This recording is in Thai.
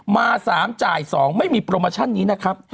มา๓จ่าย๒ไม่มีโปรโมชั่นนี้นะครับ